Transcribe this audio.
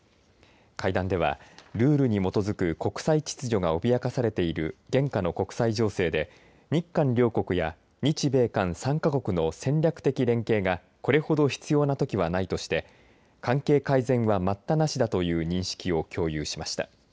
会談ではルールに基づく国際秩序が脅かされている現下の国際情勢で日韓両国や日米韓３か国の戦略的連携がこれほど必要のときはないとして関係改善は待ったなしだという認識を共有しました。